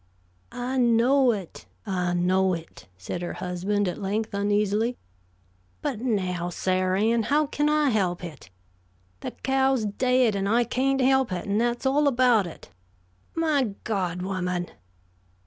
"I know it, I know it," said her husband at length, uneasily. "But, now, Sar' Ann, how kin I help it? The cow's daid and I kain't help it, and that's all about it. My God, woman!"